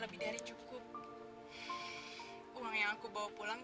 aduh bunuh kan